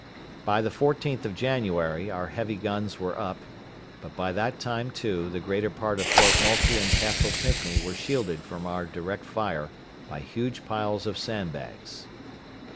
By the 14th of January our heavy guns were up; but by that time, too, the greater part of Fort Moultrie and Castle Pinckney were shielded from our direct fire by huge piles of sand bags.